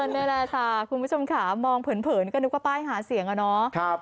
นี่แหละค่ะคุณผู้ชมค่ะมองเผินก็นึกว่าป้ายหาเสียงอะเนาะ